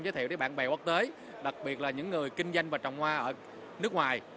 giới thiệu đến bạn bè quốc tế đặc biệt là những người kinh doanh và trồng hoa ở nước ngoài